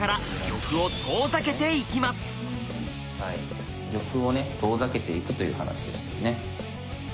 玉をね遠ざけていくという話でしたよね。